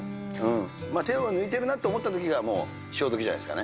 手を抜いてるなと思ったときが潮時じゃないですかね。